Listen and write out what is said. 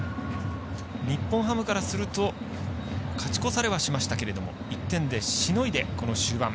日本ハムからすると勝ち越されはしましたが１点でしのいで、この終盤。